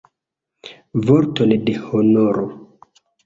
Vorton de honoro!